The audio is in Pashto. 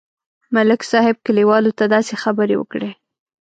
ملک صاحب کلیوالو ته داسې خبرې وکړې.